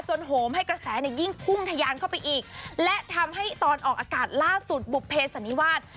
โหมให้กระแสเนี่ยยิ่งพุ่งทะยานเข้าไปอีกและทำให้ตอนออกอากาศล่าสุดบุภเพสันนิวาส